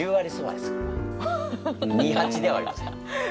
二八ではありません。